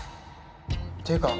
っていうか